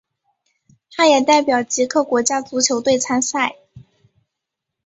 他也代表捷克国家足球队参赛。